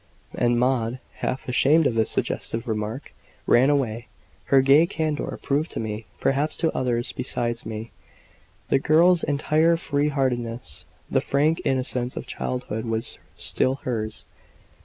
And Maud, half ashamed of this suggestive remark, ran away. Her gay candour proved to me perhaps to others besides me the girl's entire free heartedness. The frank innocence of childhood was still hers.